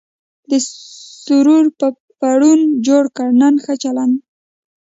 دا سرور مې پرون جوړ کړ، نن ښه چلېده.